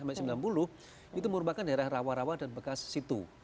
sampai sembilan puluh itu merupakan daerah rawa rawa dan bekas situ